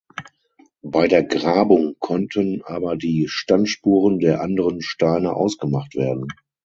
Bei der Grabung konnten aber die Standspuren der anderen Steine ausgemacht werden.